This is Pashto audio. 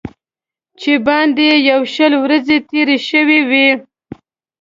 چې باندې یې یو شل ورځې تېرې شوې وې.